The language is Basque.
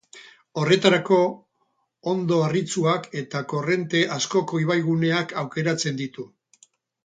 Horretarako, hondo harritsuak eta korronte askoko ibai guneak aukeratzen ditu.